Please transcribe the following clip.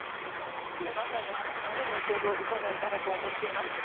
その辺りのお話も後ほど伺えたらと思っています。